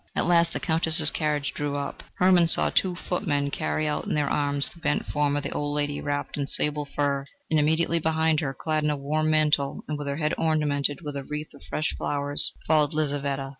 At last the Countess's carriage drew up. Hermann saw two footmen carry out in their arms the bent form of the old lady, wrapped in sable fur, and immediately behind her, clad in a warm mantle, and with her head ornamented with a wreath of fresh flowers, followed Lizaveta.